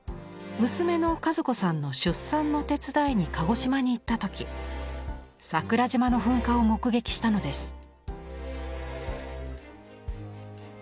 娘の和子さんの出産の手伝いに鹿児島に行った時桜島の噴火を目撃したのです。